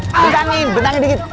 bentangin bentangin dikit